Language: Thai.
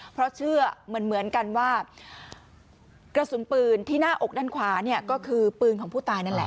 เพราะเชื่อเหมือนกันว่ากระสุนปืนที่หน้าอกด้านขวาเนี่ยก็คือปืนของผู้ตายนั่นแหละ